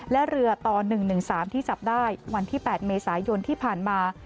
และเรือต่อ๑๑๓ที่จับได้วันที่๘เมษายนที่ผ่านมา